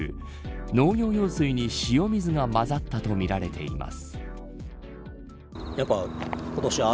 農業用水に塩水が混ざったとみられています。